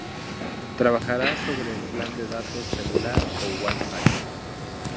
Trabajará sobre el plan de datos celular o WiFi.